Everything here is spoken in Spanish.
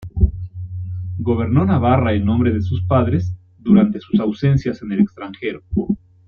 Gobernó Navarra en nombre de sus padres durante sus ausencias en el extranjero.